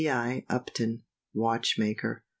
I. UPTON, Watch maker.